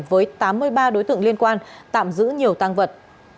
với tám mươi ba đối tượng liên quan tạm giữ nhiều tăng vật